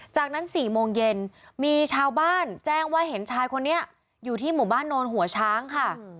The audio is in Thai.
จากนั้น๔โมงเย็นมีชาวบ้านแจ้งว่าเห็นชายคนนี้อยู่ที่หมู่บ้านโนนหัวช้างค่ะ